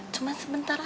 cuman sebentar aja